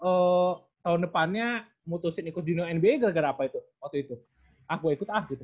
dan lu tahun depannya mutusin ikut junior nba gara gara apa itu waktu itu ah gue ikut ah gitu